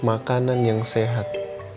masak makanan yang sehat